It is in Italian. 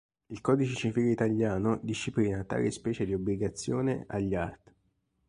Il codice civile italiano disciplina tale specie di obbligazione agli art.